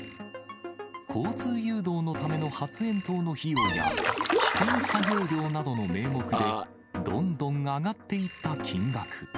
交通誘導のための発煙筒の費用や、危険作業料などの名目で、どんどん上がっていった金額。